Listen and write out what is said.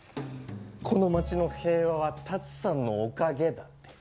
この町の平和は龍さんのおかげだって。